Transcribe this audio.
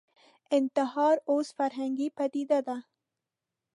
انتحار اوس فرهنګي پدیده ده